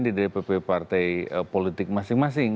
di dpp partai politik masing masing